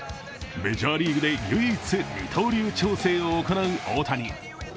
メジャーリーグで唯一二刀流調整を行う大谷。